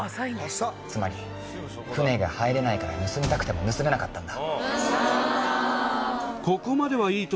つまり船が入れないから盗みたくても盗めなかったんだ。